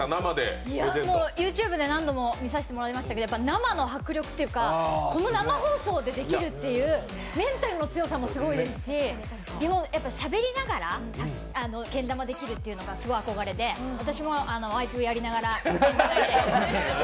もうＹｏｕＴｕｂｅで何度も見させてもらいましたけど、生の迫力というか、この生放送でできるっていうメンタルの強さもすごいですしやっぱ、しゃべりながらけん玉できるっていうのがすごい憧れで私もワイプやりながら。